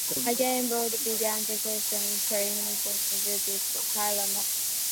Again, Auld began the season sharing netminding duties with Tyler Moss.